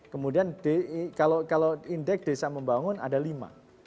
kemudian kalau indeks desa membangun ada lima